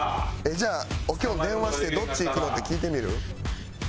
じゃあおきょん電話してどっち行くの？って聞いてみる？